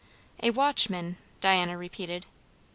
'" "A watchman" Diana repeated.